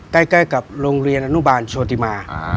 ใกล้กับโรงเรียนอนุบาลโชติมา